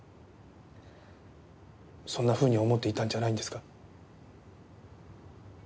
そんなふうに思っていたんじゃないんですか？